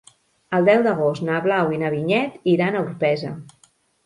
El deu d'agost na Blau i na Vinyet iran a Orpesa.